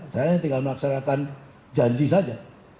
saya tinggal melaksanakan janji saja